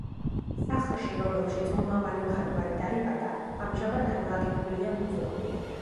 სახლში, რომელშიც მომავალი მხატვარი დაიბადა ამჟამად განლაგებულია მუზეუმი.